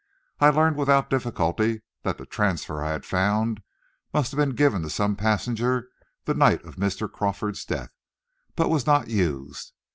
I learned without difficulty that the transfer I had found, must have been given to some passenger the night of Mr. Crawford's death, but was not used.